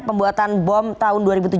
pembuatan bom tahun dua ribu tujuh belas